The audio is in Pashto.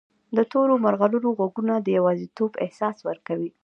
د تورو مرغانو ږغونه د یوازیتوب احساس ورکوي.